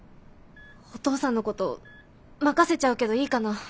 お父さんのこと任せちゃうけどいいかな？